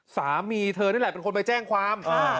สามีเธอนี่แหละเป็นคนไปแจ้งความ